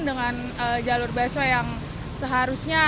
dengan jalur baso yang seharusnya